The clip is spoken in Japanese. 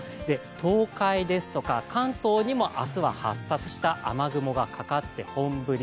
東海ですとか関東にも明日は発達した雨雲がかかって、本降り、